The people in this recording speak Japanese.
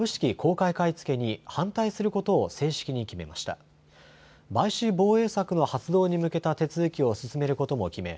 買収防衛策の発動に向けた手続きを進めることも決め